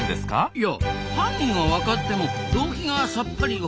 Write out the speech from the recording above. いや犯人はわかっても動機がさっぱりわかりませんぞ。